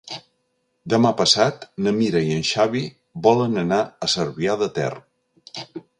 Demà passat na Mira i en Xavi volen anar a Cervià de Ter.